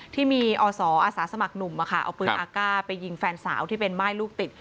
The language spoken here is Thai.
ที่มีอศอาสาสมัครหนุ่มเอาปืนอากาศไปยิงแฟนสาวที่เป็นม่ายลูกติด